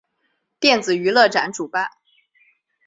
电子娱乐展主办。